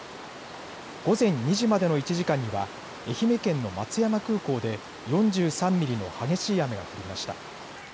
午前２時までの１時間には愛媛県の松山空港で４３ミリの激しい雨が降りました。